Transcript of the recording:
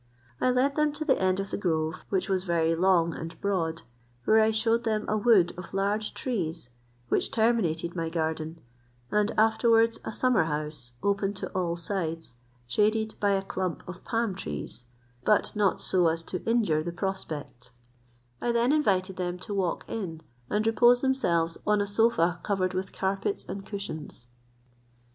I led them to the end of the grove, which was very long and broad, where I shewed them a wood of large trees, which terminated my garden, and afterwards a summer house, open on all sides, shaded by a clump of palm trees, but not so as to injure the prospect; I then invited them to walk in, and repose themselves on a sofa covered with carpets and cushions.